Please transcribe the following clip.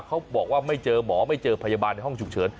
เขาบอกว่าไม่เจอหมอไม่เจอพยาบาลในห้องฉุกเฉิน